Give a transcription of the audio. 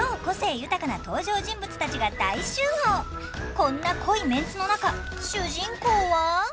こんな濃いメンツの中主人公は。